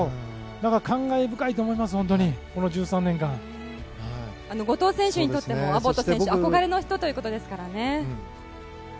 だから、感慨深いと思います後藤選手にとってもアボット選手は憧れの人ということですからね。